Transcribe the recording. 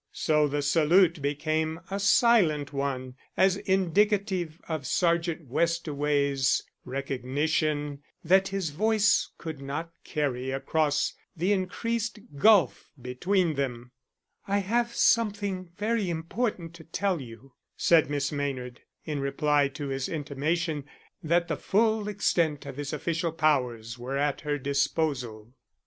So the salute became a silent one as indicative of Sergeant Westaway's recognition that his voice could not carry across the increased gulf between them. "I have something very important to tell you," said Miss Maynard, in reply to his intimation that the full extent of his official powers were at her disposal.